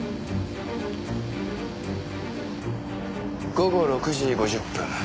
午後６時５０分